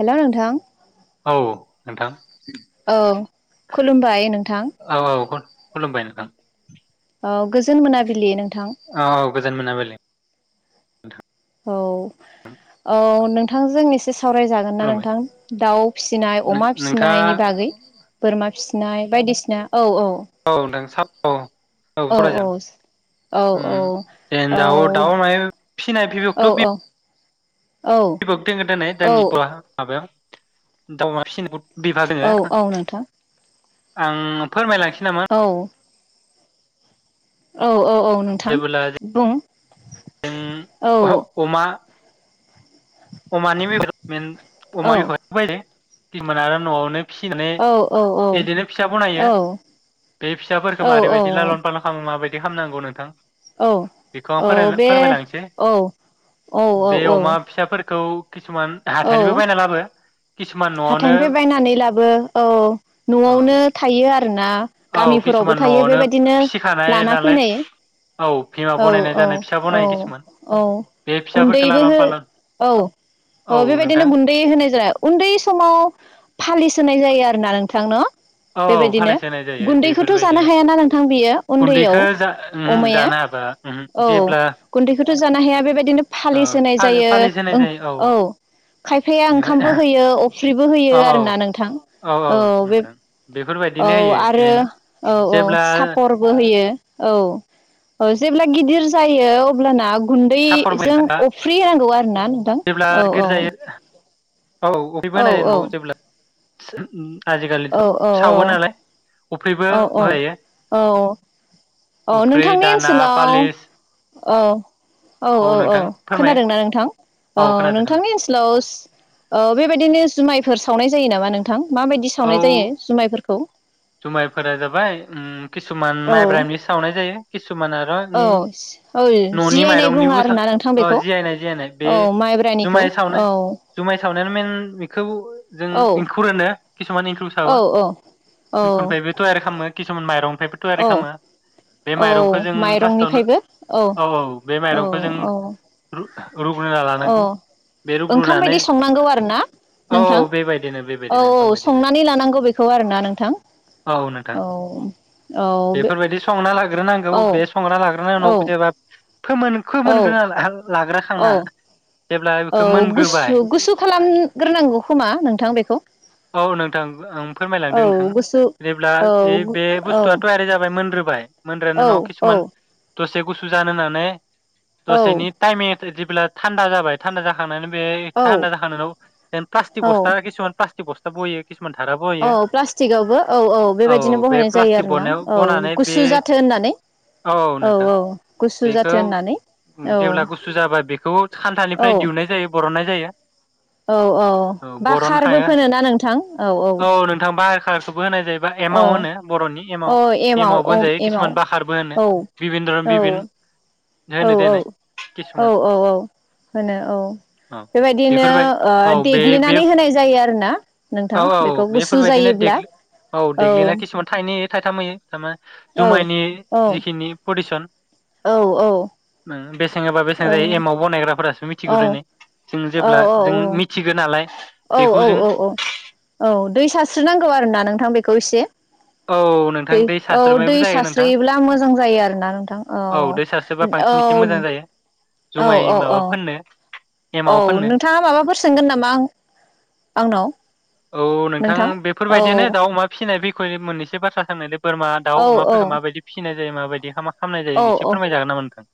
हेल' नोंथां। औ नोंथां। औ। खुलुमबाय नोंथां। औ औ खुल- खुलुमबाय नोंथां औ गोजोन मोनाबिलि नोंथां। औ औ गोजोन मोनाबिलि औ औ। नोंथांजों एसे सावरायजागोन ना खुलुमबाय नोंथां दाउ फिसिनाय नों- अमा नोंथाङा फिसिनायनि बागै बोरमा फिसिनाय बायदिसिना औ औ। अ। औ औ औ सावरायजागोन औ उम एन औ दाउ दाउ मायबा फिनाय औ [unintelligible] औ [unintelligible] दाउ अमा फिसि [unintelligible] औ औ नोंथां। आं फोरमायलां औ। औ औ औ। नोंथां जेबोला जों बुं औ अमा अमानि [unintelligible] औ अमानि [unintelligible] तिमोनाना न'आवनो फिसिनानै औ औ इदिनो फिसा बनायो बे औ फिसाफोरखो मारैबायदि लालन पालन खामो माबाय दि खामनांगौ नोंथां औ बेखौ आं औ फोर बे फोरमायलांसै औ औ औ औ खौ किसुमान हाथाइयनिबो बायना लाबो किसुमान न'आवनो हाथाइयनिफाय बायनानै लाबो औ औ न'आवनो थायो आ ना औ गामिफोरावबो किसुमान थायो न'आवनो बेबादिनो फिसिखानाय लाना नालाय औ बिमा फैनाययो औ बनायनाय औ जानाय फिसा बनायो औ किसुमान औ बे फिसाफोरखौ गुन्दैबो लालान हो फालान औ औ अ बेबादिनो नोंथां गुन्दै होनाय जाबाय उन्दैस आव फालिसोनाय जायो आरोना नोंथां न' औ औ बेबायदिनो फालायसो होनाय जायो गुन्दैखौथ' जानो बेफोरबायदिनो हायाना नोंथां बियो उन्दैयाव गुन्दैखौ जा ओमहो अमाया जानो हाबा ओमहो औ जेब्ला गुन्दैखौथ' जानो हाया बेबायदिनो ओ फालिस होनाय जायो फालिसो होनाय जायो औ खायफाया ओंखामबो बेनिफ्राय होयो फख्रिबो होयो औ आरो ना नोंथां औ बे नोंथां औ बेफोरबायदिनो होयो बे आरो औ औ जेब्ला सापरबो होयो औ। औ जेब्ला गिदिर जायो अब्लाना सापर गुन्दैजों बायनो थाङा अफ्रि होनांगौ आरोना नोंथां जेब्ला औ गिदिर औ। जायो औ [unintelligible] औ [unintelligible] औ आजिखालिथ' औ सावो नालाय उफ्रिबो औ होयो औ औ उफ्रि दाना पालिस अ औ औ औ नोंथां फोरमाय खोनादोंना नोंथां औ खोनादों खोनादों नोंथांनि ओनसोलाव बेबायदिनो जुमायफोर सावनाय जायो नामा नोंथां मा औ सावनाय जायो जुमायफोरखौ जुमायफोरा जाबाय किसुमान औ माइब्रानि सावनाय जायो किसुमान आरो औ औ न'नि जियायनाय बुङो माइरंनिबो आरोना नोंथां अ बेखौ जियायनाय जियायनाय बे औ माइब्रानिखौ औ [unintelligible] बिखौ जों औ इंखुर होनो किसुमान इनक्लु सावा औ औ इंखुरनिफ्रायबोथ' आरो खालामो किसुमान माइरं। मफ्रायबो थयारि औ खालामा बे औ माइरंखौ जों फार्स्टआवनो माइरंनिफ्रायबो औ औ बे औ माइरंखौ जों औ रुग्रोना औ लानांगौ बे ओंखाम रुग्रुनानै बायदि संनांगौ आरोना औ नोंथां बेबायदिनो औ बेबायदिनो ओंखाम औ बायदिनो संनानै लानांगौ बेखौ आरोना नोंथां औ नोंथां औ बे बेफोरबायदि संना लाग्रोनांगौ औ बे संना लाग्रोना उनाव औ जेबा फोमोन औ औ [unintelligible] जेब्ला औ बेखौ मोनग्रोबाय गुसु गुसु खालामग्रोनांगौ खोमा नोंथां बेखौ औ नोंथां आं औ फोरमायलांदों नोंथां गुसु जेब्ला औ बे बे बुस्थुआ औ थयारि जाबाय मोन रो बाय मोनग्रानि औ उनाव किसुमान दसे गुसु जानो होनानै औ दसेनि टाइ [unintelligible] जेब्ला थान्दा जाबाय थान्दा जाखांनानै औ थानदा जाखांनाय उनाव प्लासटिक बसथा [unintelligible] [unintelligible] अ प्लास्टकआवबो औ औ बे प्लास्टिक बनायाव औ बनानै बे गुसु जाथो होननानै औ औ नोंथां गुसु जाथो बेखौ होननानै औ जेब्ला गुसु जाबा बेखौ खान्थानिफ्राय औ दिहुननाय जायो बरननाय जायो औ औ बाखारबो फोनोना नोंथां औ औ [unintelligible] होनाय जायो बा औ एमाव होनो बर'नि एमाव औ एमाव एमावबो औ होनजायो एमाव किसुमान बकारबो होनो औ बिभिद औ बिभिन औ होनो औ देनाय औ किसुमान औ औ होनो औ औ बेबायदिनो बेफोरबाय ओ औ बे बे देग्लिनानै होनाय जायो आरोना औ नोंथां बेखौ गुसु बेफोरबायदिनो जायोब्ला देग्लि औ देग्लिना किसुमान थाइनै थायथाम होयो थारमाने औ जुमायनि औ जिखिनि प्रदिसन औ औ नों बे बेसां होबा बेसां औ जायो एमाव बनायग्राफासो औ मिथिगौ देनाय जों औ औ जेब्ला जों मिथिगोन आरो [inaudible] औ औ औ औ औ दै सारस्रिनांगौ आरोना नोंथां बे [unintelligible] औ दै नोंथां औ दै सारस्रोनायबो जायो नोंथां सास्रोयोब्ला मोजां जायो आरोना नोंथां औ दै सारस्रोबा बांसिन एसे मोजां जायो औ औ जुमाय औ औ माबा फोननो औ एमाव फोननो नोंथाङा माबाफोर सोंगोन नामा आं आंनाव? औ नोंथां बेफोर बायदियानो दाउ अमा फिसिनाय मोननैसो बाथ्रा साननाय बोरमा औ दाउ औ अमाफोरखौ माबायदि फिसिनाय माबायदियै खामनाय जायो औ एसे फोरमायजागोन नामा नोंथों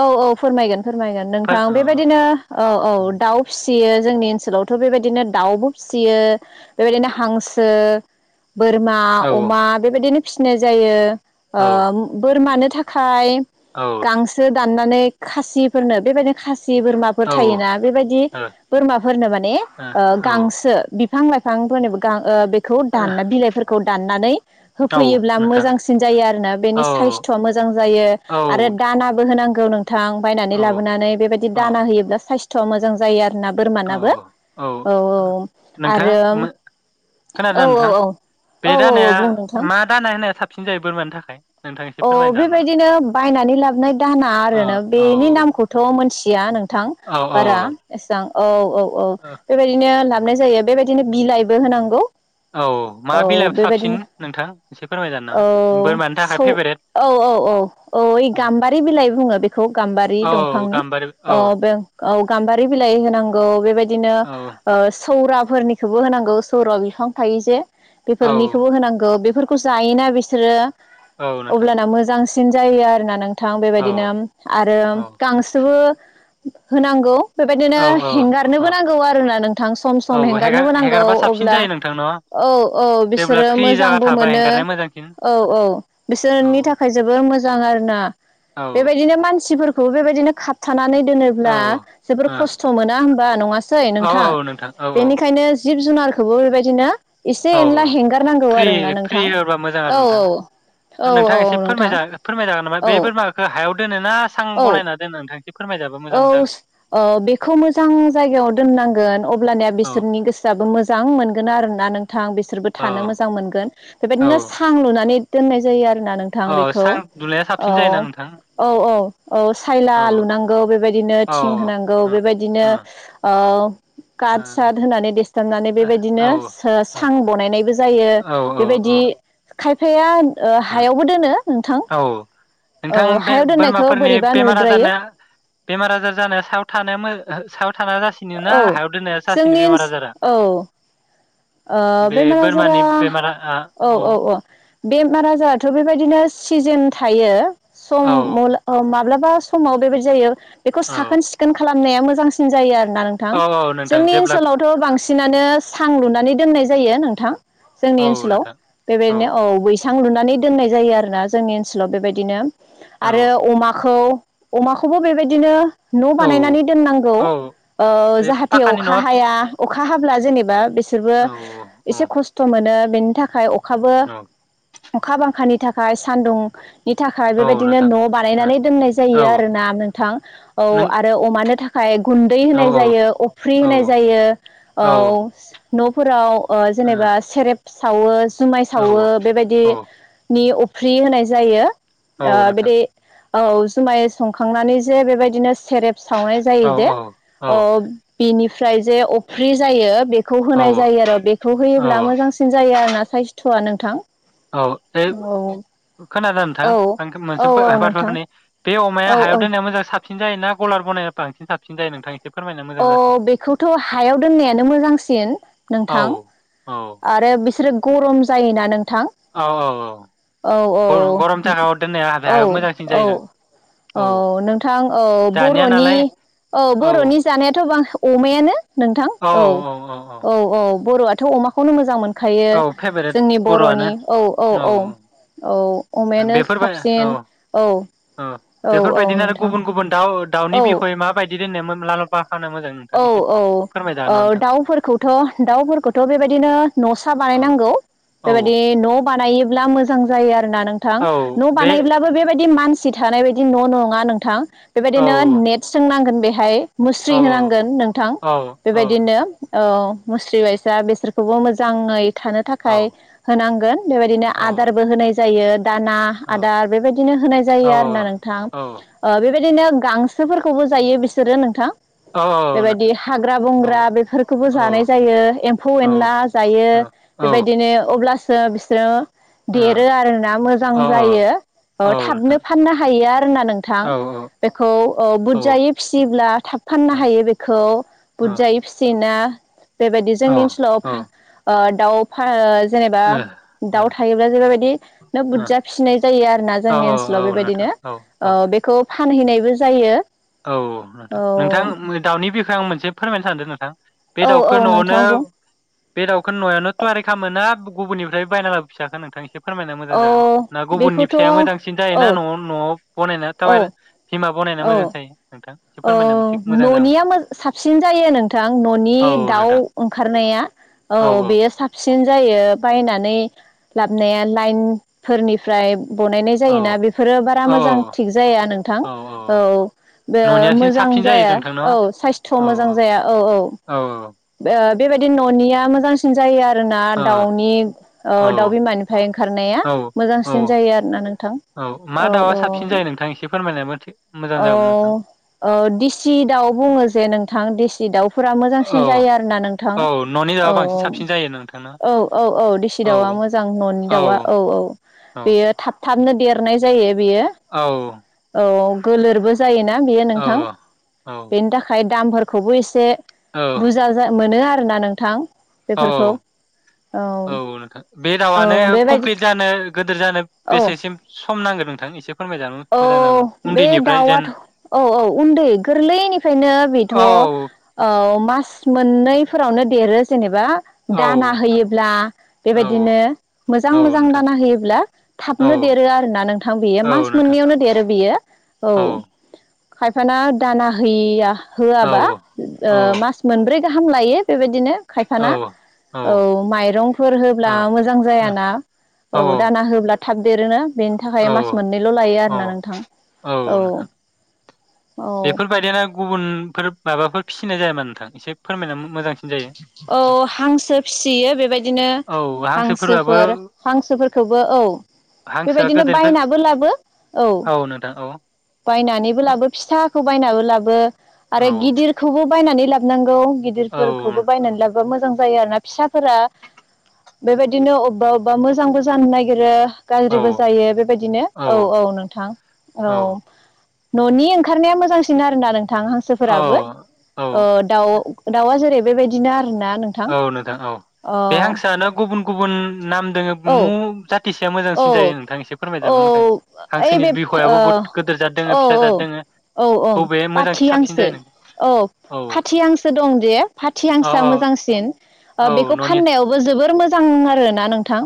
औ औ फोरमायगोन फोरमायगोन नोंथां बेबायदिनो औ औ दाउ फिसि यो जोंनि ओनसोलावथ' बेबायदिनो दाउबो फिसियो बेबायदिनो हांसो बोरमा औ औ अमा बेबायदिनो फिसिनाय जायो औ ओ बोरमानो था थाखाय औ गांसो दाननानै खासिफोरनो बेबायदिनो खासि सि बोरमाफोर ओ थायोना बेबायदि ओ औ बोरमाफोरनो माने ओ ओ गांसो बिफां लाइफांफोरनोबो गां ओ बे खौ औ दाना बिलायफोरखौ दानानै होफैयोब्ला नोंथां मोजांसिन जायो आरोना औ बिनि सायसथ आ मोजां जायो दाना होनांगौ नों थां बायनानै लाबोनानै बेबायदि दाना होयोब्ला साइस थ' मोजां जायो आ ना औ बोरमानाबो औ औ नोंथां आरो मो- औ खोनादोंना औ नोंथां औ औ औ औ बुं नोंथां सिन जायो बोरमानि थाखाय नोंथां एसे अ फोरमायनो हागोन नामा? बेबायदिनो बायनानै लाबोनाय दाहोना औ आरो ना औ बेनि नामखौथ' मोनथिया नोंथां बारा औ एसां औ औ औ बेबायदिनो हामनाय जायो बेबायदिनो बिलाइबो होनांगौ औ मा औ बिलाइ साबसिन बेबायदिनो नोंथां एसे फोरमायजानो औ नाङा बोरमानि थाखाय सौ फेभ औ औ औ औ ओइ गाम्बारि बिलाइ बुङो बेखौ गाम्बारि औ दंफांनि गाम्बारि औ बे औ गाम्बारि बिलाइ होनांगौ बेबाय बिनो औ ओ सौराफोरनिखौबो होनांगौ सौरा बिफां थायो जे औ बेफोरनिखौबो होनांगौ बेफोर खौ जायोना बिसोरो औ नोंथां अब्लाना मोजां सिन जायो आरो ना नों थां औ बेबायदिनो आरो गांसोबो होनांगौ बेबायदिनो औ औ अ हेंगारनोबो नांगौ आरोना नोंथां सम औ सम हेगार हेंगारनोबो नांगौ हेगारबा साबसिन अब्ला जायो नोंथां न' औ औ जेब्ला बिसोरो फ्रि जागा मोजांबो थाबा मोनो हेंगारनाया मोजांसिन औ औ औ बिसोरनि थाखाय जोबोर मोजां आरो ना औ बेबायदिनो मान सिफोरखौ बेबायदिनो खाबथानानै औ दोनोब्ला ओ जोबोर औ खस्थ' मोना होम बा नङा सै नोंथां औ औ औ बेनिखायनो जिब जुनारखौबो बेबायदिनो एसे औ एनला औ हेंगारनांगौ फ्रि आरोना फ्रि नोंथां होबा मोजां आरो औ नोंथां औ नोंथां औ एसे नोंथां फोराय फोरमाय जागोन नामा बे औ बोरमाखो हायाव दोनो ना सां औ बानायना दोनो नोंथां फोरमायजाबा मोजां औ जागोन ओ बेखौ मोजां जायगायाव दोननांगोन अब्लानिया औ बिसोरनि गोसोआबो मोजां मोनगोन आरोना नों थां बिसोरबो औ थानो मोजां मोनगोन औ बेबायदिनो सां लुनानै दोननाय जायो आरो [inaudible] नोंथां औ बेखौ सां दुनाया औ साबसिन जायोना नोंथां औ औ औ सायला औ लुनां ओ बेबादिनो औ थिं ओ होनांगौ ओ बेबादिनो ओ ओ औ काथ साद होनानै देस्थाबनानै ओ औ बेबायदिनो सां बनायनायबो जायो ओ औ बेबायदि औ खायफाया ओ उम हायावबो दोनो नोंथां औ औ नोंथां बे हायाव दोननायखौ बोरमाफोरनि बोरैबा बेमार नुद्रायो आजारनो बेमार आजार जानायाव सायाव थानाया थाना जासिनो ना औ हायाव दोननाया जासिनो जोंनि बेमार ओनस आजारा औ ओ बे बेमार बोरमानि आजारा बेमार आ औ बेमार आजाराथ' बेबायदिनो सिजेन थायो [inaudible] औ माब्लाबा समाव बेबायदि जायो। बेखौ औ साखोन सिखोन खालाम नाया मोजांसिन जायो आरो ना नोंथां औ औ नोंथां जोंनि जेब्ला ओनसोलावथ' बांसिनानो सां लुनानै दोननाय जायो नों थां जोंनि औ ओनसोलाव नोंथां बेबायदिनो औ बैस सां लुनानै दोननाय जायो आरोना जोंनि ओनसोलाव बेबायदिनो। औ आरो अमाखौ अमाखौबो बेबायदिनो न' औ बानायनानै दोननांगौ। औ ओ बे जाहाथे पाखानि अखा नङा औ हाया अ खा हाब्ला जेनेबा बे बिसोरबो औ एसे खस्थ' मोनो। बेनि थाखाय अ खाबो औ अखा बांखानि थाखाय सान्दुं नि थाखाय औ बेबायदिनो नोंथां न' बानायनानै दोननाय जायो औ आरोना नोंथां औ नों आरो अमानो थाख हाय गुन्दै औ होनाय जायो अफ्रि औ होननाय जायो औ। न'फोराव ओ जेनेबा सेरेब सावो। जुमाय औ सावो औ बेबायदिनि फ्रि होनाय जायो। ओ औ नोंथां बेदि‌ औ जुमाय संखांनानै जे बेबायदिनो सेरेब सावनाय जायो औ जे औ औ ओ बिनिफ्राय जे अफ्रि जायो बेख खौ होनाय औ जायो आरो बेखौ होयोब्ला मोजांसिन जायो आरोना। साइस्थ'आ नोंथां। औ ए औ खोनादों नोंथां औ आंखो मोनसे औ बाथ्रा नोंथां फोरनि बे अमाया औ हायाव औ दोननाय मोजां साब साबसिन जायोना गलार बनाया बांसिन साबसिन जायो नोंथां? एसे फोरमायना मोजां अ जासिगोन बेखौथ' हायाव दोननायानो मोजांसिन औ नोंथां। औ आरो बिसोरो गरम जायोना नों नोंथां औ औ औ औ गरम गरम जायगायाव दोननाया औ औ हायाव मोजांसिन औ जायो नों औ नोंथां औ दानिया बर'नि नालाय औ बर'नि जानायाथ' बां अमायानो नोंथां औ औ औ बर'आथ' अमा खौनो मोजां मोन खायो औ फेभारेट जोंनि बर'आनो बर'नि औ औ औ औ अमायानो बेफोरबाय औ साबसिन औ औ औ औ बेफोरबायदिनो आरो नोंथां गुबुन गुबुन दाउ दाउनि औ बिखय माबायदि [unintelligible] नोंथां औ एसे औ औ फोरमायजागोन ना नोंथां दाउफोरखौथ' दाउफोरखौथ' बेबायदिनो न'सा औ बानायनांगौ औ बेबायदि न' बानायोब्ला मोजां जायो आ ना नोंथां औ न' बे बानायब्लाबो बेबायदि मानसि सि थानाय बायदि न' नङा नोंथां औ बेबायदिनो नेट सोंनांगोन बेहाय मुस्रि औ होनांग गोन नोंथां औ औ बेबायदिनो नोंथां औ मुस्रि बायसा बेसोरखौबो मोजाङै थानो औ थाखाय होनांगोन बेबायदिनो औ आदारबो होनाय जा जायो‌ दाना औ आदार बेबायदिनो होनाय औ जायो आरोना नोंथां औ ओ बे बेदिनो गांसोफोरखौबो जायो बिसोरो नोंथां औ औ बेबायदि नोंथां हाग्रा औ बंग्रा बेफोरखौबो औ जानाय जायो एम्फौ औ एनला जायो औ बेबायदिनो अब्लासो सो बिसोरो देरो आरोना मोजां औ जायो औ थाबनो फाननो हायो आरोना नोंथां औ ओ बेखौ औ ओ बुरजायै फिसियोब्ला थाब फाननो हायो बे खौ बुरजायै फिसिन ना बेबायदि जोंनि ओनसोलाव ओ हा ओ दाउ फा जेनेबा दाउ थायोब्ला जे बेबायदि नो बुरजा फिसिनाय जायो आरोना औ जोंनि ओनसोलाव औ नोंथां बेबायदिनो औ बेखौ फानहैनायबो जायो औ नोंथां औ नोंथां दाउनि बे आं मोनसेमायनो सानदों नोंथां बे औ औ दाउखो न'आवनो नोंथां बुं बे दाउखो नयावनो तयारि खामोना गुबुननिफ्राय बायना लाबो फिसाखो नोंथां इसे फोरमायना मोजां जागोन औ ना गुबुननि बेखौथ' फिसाया औ मोजांसिन जायोना न' औ न'आव बनायना तावेल बिमा बनायना औ मोजांसिन [unintelligible] औ न'निया मोज साबसिन जायो नोंथां न'नि औ दाउ नोंथां ओंखारनाया औ बेयो साबसि सिन जायो बायनानै लाबनाया लाइनफोरनिफ्राय बनायनाय जायोना औ बेफोरो बारा औ मोजां थिग जाया नोंथां औ ओ न'नियासिन मोजां साबसिन जायो जाया नोंथां न' औ साइस्थ' मोजां औ जाया औ औ बेबायदि न'निया मोजांसिन जायो आरो आरोना औ दाउनि औ दाउ बिमानिफ्राय ओंखारनाया औ औ मोजांसिन जायो आरोना नोंथां मा औ दाउआ औ साबसिन जायो नोंथां एसे फोरमायनायाबो थिग मोजां औ जागौमोन नोंथां अ देसि दाउ बुङो जे नोंथां देसि दाउ फोरा औ मोजांसिन जायो आरोना नोंथां औ न'नि औ दाउआ बांसिन साबसिन जायो नोंथां ना औ औ औ औ देसि दाउआ मोजां न'नि दाउआ औ औ बेयो थाब थाबनो देरनाय जायो बेयो औ औ गोलोरबो जायो ना बियो औ नोंथां औ बेनि थाखाय दामफोरखौबो एसे बुरजा मोनो आरो आरोना नोंथां औ बेफोरखौ औ औ नोंथां बे औ दावानो बेबायदि कमप्लिट जानो गोदोर जानो औ बेसेसिम सम नांगौ नोंथां एसे फोरमायजानो औ मोजां जागोन बे उन्दैनिफ्राय जेन दाउआथ' औ औ उन्दै गोरलैनिफ्रायनो बेथ' औ मास मोननैफोरावनो देरो जेनेबा दाना औ होयोब्ला औ बेबायदिनो मोजां औ मोजां नोंथां दाना होयोब्ला औ थाबनो देरो आरोना नोंथां बेयो औ मास नोंथां मोननैयावनो देरो बेयो औ खायफाना दाना हैयिया औ होआबा ओ औ मास मोनब्रै गाहाम लायो बेबायदिनो औ खायफाना औ माइरंफोर औ होब्ला मोजां जायाना औ दाना होब्ला थाब देरोना बेनि थाखाय औ मास औ मोननै ल'लायो आरो ना नोंथां औ। औ बेफोरबायदियानो गुबुनफोर माबाफोर फिसिनाय जाया नामा नोंथां एसे फोरमायना मोजांसिन जायो औ नोंथां। हांसो फिसियो बेबायदिनो औ हांसोफोराबो हांसोफोर हांसोफोरखौबो औ हांसोआ बेबायदिनो गोदोनिफ्राय बायनाबो लाबो औ। नोंथां औ बायनानैबो लाबो फिसा साखौ बायनाबो लाबो औ आरो गिदिरखौबो बायनानै लाबोनांगौ। औ गिदिरफोरखौबो बायनानै ला बोबा मोजां जायो आरोना फिसाफोरा बेबायदिनो अबेबा अबेबा मोजांबो जानो नागिरो औ गाज्रिबो जायो बेबायदिनो औ औ नोंथां औ ननि ओंखारनाया मोजांसिन आरोना नों थां औ हांसोफोराबो औ ओ दाउ दावा जेरै बेबायदिनो आरो ना औ नोंथां औ बे हांसोआनो गुबुन गुबुन नाम दोङो मु औ जाथिसेया मोजांसिन जायो औ नोंथां एसे फोरमायदो औ नामा मोजां ओइ हांसोनि बे बिखयाबो बहुत गोदोर जात दङ ओ औ फिसा जात दङो औ औ औ बबे मोजां पाथि साबसिन हांसो जायो नों औ औ फाथि हांसो दं जे फाथि आव हांसोआ आव। मोजांसिन ओ बेखौ फाननायावबो जोबोर मो मोजां आरोना नोंथां।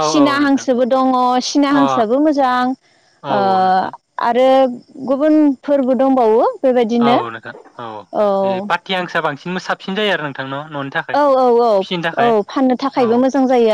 औ औ सिना नोंथां हांसोबो दङ सिना अ हांसोआबो मोजां। ओ औ नोंथां आरो गुबुन फोरबो दंबावो औ बेबायदिनो नोंथां औ इ पाति हांसोआ बांसि न साबसिन जायो आरो नोंथां न'? न'नि थाखाय औ औ औ फिसिनो औ थाखाय फाननो औ थाखायबो मोजां जायो